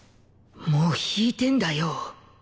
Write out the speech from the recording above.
もう引いてんだよ！